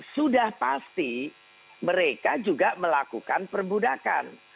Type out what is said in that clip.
sudah pasti mereka juga melakukan perbudakan